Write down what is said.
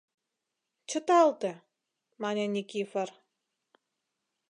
— Чыталте, — мане Никифор.